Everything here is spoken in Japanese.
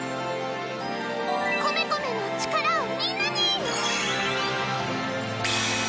コメコメの力をみんなに！